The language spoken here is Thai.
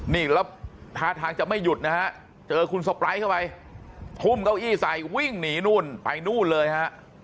นี่แล้วท่าทางจะไม่หยุดนะฮะเจอคุณสปร้ายเข้าไปทุ่มเก้าอี้ใส่วิ่งหนีนู่นไปนู่นเลยฮะ